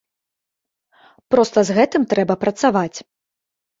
Проста з гэтым трэба працаваць.